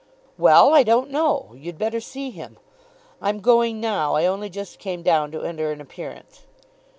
"Well; I don't know. You'd better see him. I'm going now. I only just came down to enter an appearance."